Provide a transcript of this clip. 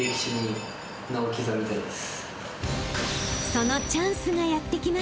［そのチャンスがやって来ました］